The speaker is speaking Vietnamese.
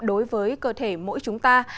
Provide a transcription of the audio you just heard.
đối với cơ thể mỗi chúng ta